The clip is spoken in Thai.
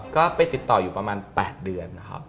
ก็ไปติดต่ออยู่ประมาณ๘เดือนนะครับ